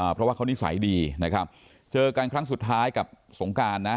เพราะว่าเขานิสัยดีนะครับเจอกันครั้งสุดท้ายกับสงการนะ